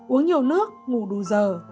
uống nhiều nước ngủ đủ giờ